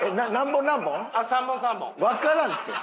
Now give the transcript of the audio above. わからんって！